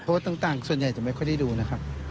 ต่างส่วนใหญ่จะไม่ค่อยได้ดูนะครับ